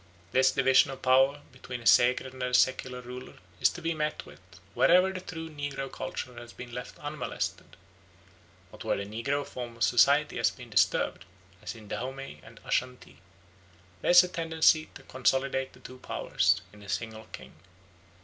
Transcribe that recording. This division of power between a sacred and a secular ruler is to be met with wherever the true negro culture has been left unmolested, but where the negro form of society has been disturbed, as in Dahomey and Ashantee, there is a tendency to consolidate the two powers in a single king.